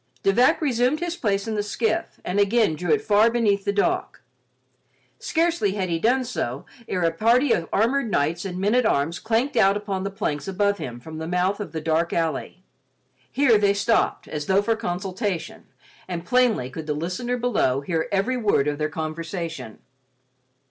De Vac resumed his place in the skiff, and again drew it far beneath the dock. Scarcely had he done so ere a party of armored knights and men at arms clanked out upon the planks above him from the mouth of the dark alley. Here they stopped as though for consultation and plainly could the listener below hear every word of their conversation.